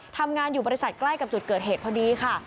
ทำงานอยู่บริษัทใกล้กับจุดเกิดเหตุพอดีค่ะ